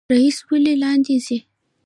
ریښې ولې لاندې ځي؟